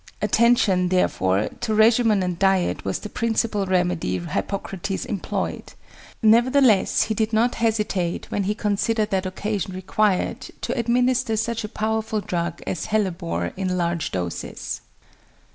Attention, therefore, to regimen and diet was the principal remedy Hippocrates employed; nevertheless he did not hesitate, when he considered that occasion required, to administer such a powerful drug as hellebore in large doses.